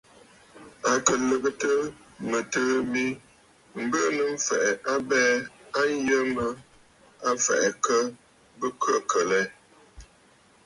À kɨ lɨ̀gɨtə̀ mɨtɨ̀ɨ̂ mi mbɨɨnə̀ m̀fɛ̀ʼɛ̀ abɛɛ a yə mə a fɛ̀ʼɛ akə bə khə̂kə̀ lɛ.